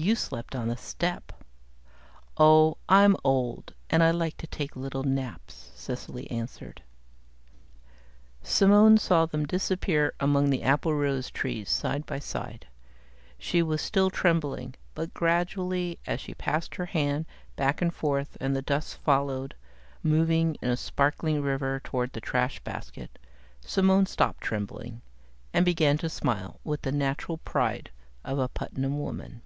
"You slept on the step." "Ah! I'm old and I like to take little naps," Cecily answered. Simone saw them disappear among the applerose trees side by side. She was still trembling, but gradually, as she passed her hand back and forth, and the dust followed, moving in a sparkling river toward the trash basket, Simone stopped trembling and began to smile with the natural pride of a Putnam woman.